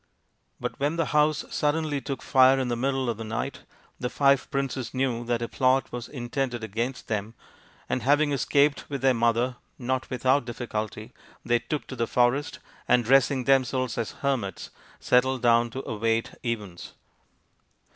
But when the house suddenly took fire in the middle of the night the five princes knew that a plot was intended against them, and, having escaped with their mother, not without difficulty, they took to the forest, and dressing themselves as hermits settled down to await events.